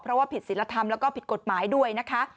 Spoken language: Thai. เพราะว่าผิดศิลธรรมแล้วก็ผิดกฎหมายด้วยนะคะ